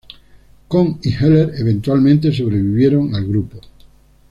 Kohn y Heller eventualmente sobrevivieron al Grupo.